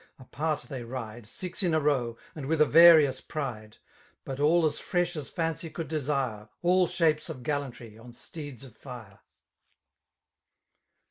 Apart they ride, SiK in a row, and with a various pride; But all as fresh as fancy could desire^ All shapes of gallantry on steeds of fire.